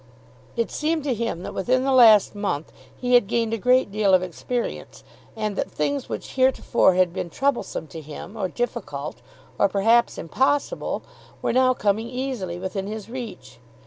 It seemed to him that within the last month he had gained a great deal of experience, and that things which heretofore had been troublesome to him, or difficult, or perhaps impossible, were now coming easily within his reach.